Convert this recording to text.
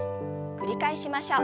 繰り返しましょう。